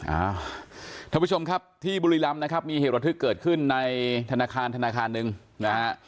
ท่านผู้ชมครับที่บุรีรำนะครับมีเหตุระทึกเกิดขึ้นในธนาคารธนาคารหนึ่งนะฮะ